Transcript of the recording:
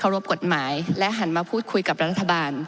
รบกฎหมายและหันมาพูดคุยกับรัฐบาล